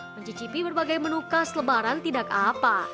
mencicipi berbagai menu khas lebaran tidak apa